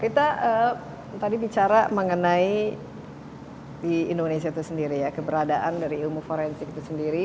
kita tadi bicara mengenai di indonesia itu sendiri ya keberadaan dari ilmu forensik itu sendiri